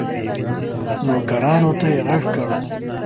نوکرانو ته یې ږغ کړل